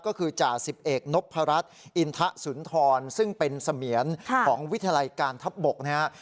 ก็คือจ่า๑๑นพรรษอินทะสุนทรซึ่งเป็นเสมียนของวิทยาลัยการทับบกนะฮะ